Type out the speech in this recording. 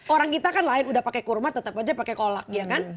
orang kita kan lain udah pakai kurma tetap aja pakai kolak ya kan